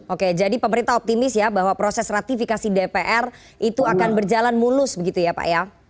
oke jadi pemerintah optimis ya bahwa proses ratifikasi dpr itu akan berjalan mulus begitu ya pak ya